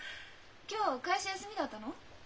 今日会社休みだったの？